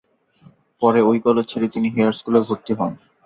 পরে ওই কলেজ ছেড়ে তিনি হেয়ার স্কুলে ভর্তি হন।